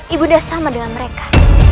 ibunda sama dengan mereka